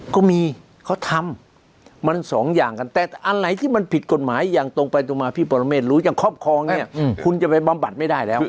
ก็มีเขาทำมันสองอย่างกันแต่อะไรที่มันผิดกฎหมายอย่างตรงไปตรงมาพี่ปรเมฆรู้อย่างครอบครองเนี่ยคุณจะไปบำบัดไม่ได้แล้ว